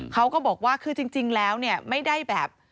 เขาก็บอกว่าคือจริงแล้วเนี่ยไม่ได้แบบ